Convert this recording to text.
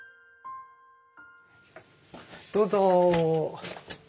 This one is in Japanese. どうぞ。